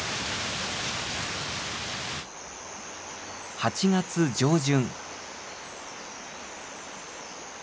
８月上旬。